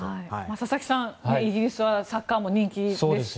佐々木さん、イギリスはサッカーも人気ですしね。